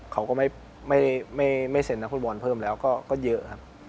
เขาก็ไม่เซ็นนักฟุตบอลเพิ่มแล้วก็เยอะครับ